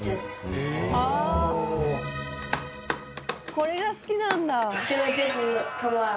これが好きなんだ。